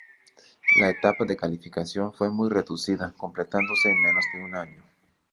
La etapa de calificación fue muy reducida, completándose en menos de un año.